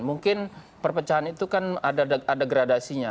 mungkin perpecahan itu kan ada gradasinya